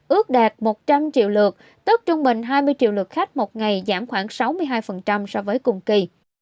ước đạt một trăm linh triệu lượt tức trung bình hai mươi triệu lượt khách một ngày giảm khoảng sáu mươi hai so với cùng kỳ